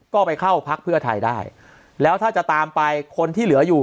ก็ไปเข้าพักเพื่อไทยได้แล้วถ้าจะตามไปคนที่เหลืออยู่